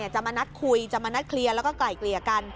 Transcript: จะมานัดคุยจะมานัดเคลียร์แล้วก็ไกล่เกลี่ยกัน